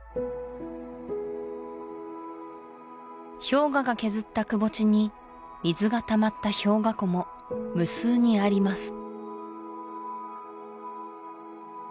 氷河が削ったくぼ地に水がたまった氷河湖も無数にあります